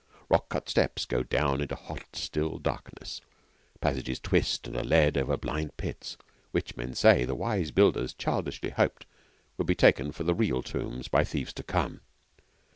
Rock cut steps go down into hot, still darkness, passages twist and are led over blind pits which, men say, the wise builders childishly hoped would be taken for the real tombs by thieves to come.